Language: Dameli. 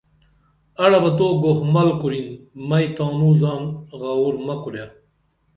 اڑہ بہ تو گُھمل کُرِن مئی تو زان غاوُر مہ کُرے